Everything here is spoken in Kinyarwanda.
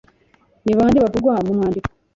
Ni bande bavugwa mu mwandiko?